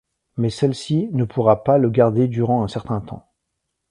Mais celle-ci ne pourra pas le garder durant un certain temps.